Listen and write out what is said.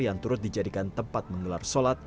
yang turut dijadikan tempat menggelar sholat